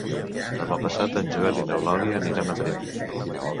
Demà passat en Joel i n'Eulàlia aniran a Tremp.